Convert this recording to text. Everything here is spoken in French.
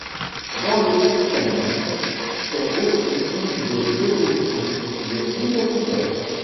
Dans le christianisme, c'est aussi une des dévotions les plus populaires.